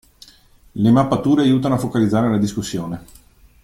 Le mappature aiutano a focalizzare la discussione.